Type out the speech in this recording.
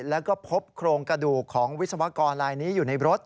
แล้วก็พบโครงกระดูกของวิศวกรลายนี้อยู่ในรถ